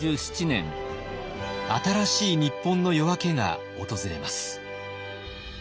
新しい日本の夜明けが訪れます。